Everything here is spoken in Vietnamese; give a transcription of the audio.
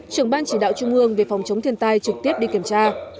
trưởng ban chỉ đạo trung ương về phòng chống thiên tai trực tiếp đi kiểm tra